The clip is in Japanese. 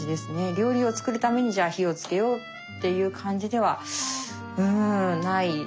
料理を作るためにじゃあ火をつけようっていう感じではうんないから。